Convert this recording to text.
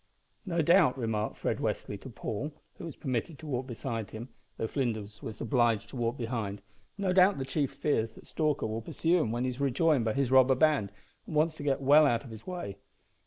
"No doubt" remarked Fred Westly to Paul, who was permitted to walk beside him, though Flinders was obliged to walk behind "no doubt the chief fears that Stalker will pursue him when he is rejoined by his robber band, and wants to get well out of his way."